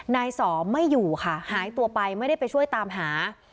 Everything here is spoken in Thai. นายสอไม่อยู่ค่ะหายตัวไปไม่ได้ไปช่วยตามหา